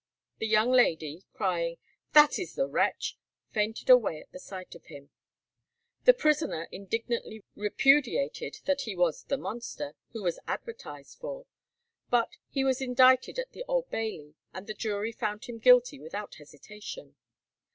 The young lady, crying "That is the wretch!" fainted away at the sight of him. The prisoner indignantly repudiated that he was "the monster" who was advertised for, but he was indicted at the Old Bailey, and the jury found him guilty without hesitation.